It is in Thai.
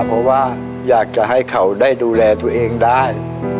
เพราะว่าอยากจะให้เขาได้ดูแลตัวเองได้